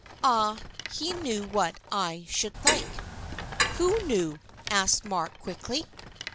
Ah, he knew what I should like." "Who knew?" asked Mark, quickly.